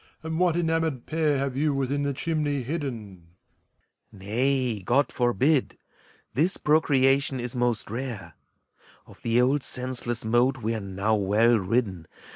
And what enamored pair Have you within the chimney hidden? WAGNER. Nay, God forbid ! This procreation is most rare : 76 FAUST. Of the old, senseless mode we're now well ridden.